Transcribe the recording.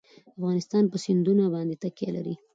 افغانستان په سیندونه باندې تکیه لري.